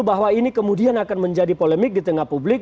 bahwa ini kemudian akan menjadi polemik di tengah publik